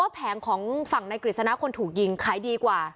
แผงของฝั่งในกฤษณะคนถูกยิงขายดีกว่า